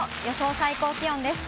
最高気温です。